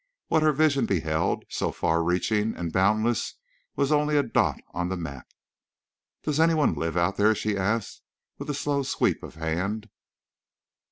What her vision beheld, so far reaching and boundless, was only a dot on the map. "Does any one live—out there?" she asked, with slow sweep of hand.